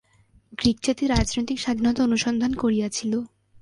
গ্রীকজাতি রাজনৈতিক স্বাধীনতা অনুসন্ধান করিয়াছিল।